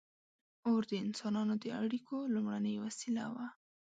• اور د انسانانو د اړیکو لومړنۍ وسیله وه.